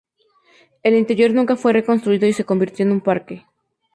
El interior nunca fue reconstruido y se convirtió en un parque.